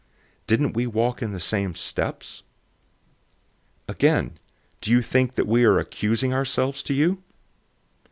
Didn't we walk in the same steps? 012:019 Again, do you think that we are excusing ourselves to you?